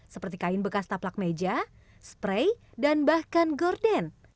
seperti kain bekas taplak meja spray dan bahkan gorden